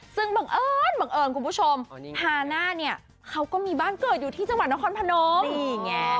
ซึ่งบังเอิญบังเอิญคุณผู้ชมฮาน่าเนี่ยเขาก็มีบ้านเกิดอยู่ที่จังหวัดนครพนมนี่ไง